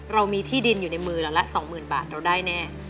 เรามีที่ดินอยู่ในมือแล้วละสองหมื่นบาทเราได้แน่